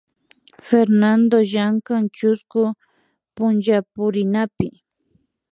Fernando llankan chusku punchapurinapi